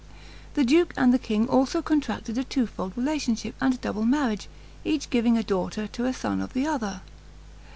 The duke and the king also contracted a twofold relationship and double marriage, each giving a daughter to a son of the other.